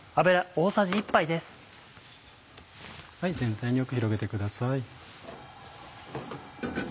全体によく広げてください。